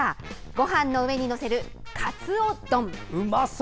ごはんの上に載せるかつお丼。